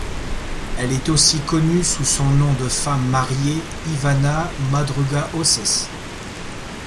Elle est aussi connue sous son nom de femme mariée, Ivanna Madruga-Osses.